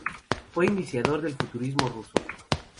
Fue iniciador del futurismo ruso.